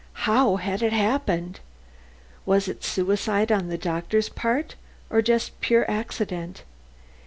How had it happened? Was it suicide on the doctor's part or just pure accident?